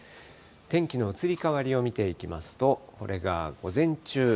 天気の移り変わりを見ていきますと、これが午前中。